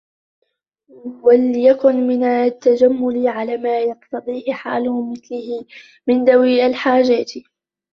وَلْيَكُنْ مِنْ التَّجَمُّلِ عَلَى مَا يَقْتَضِيهِ حَالُ مِثْلِهِ مِنْ ذَوِي الْحَاجَاتِ